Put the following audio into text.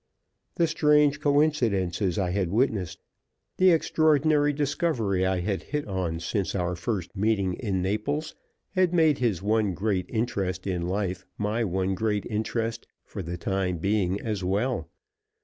The strange coincidences I had witnessed, the extraordinary discovery I had hit on since our first meeting in Naples, had made his one great interest in life my one great interest for the time being as well.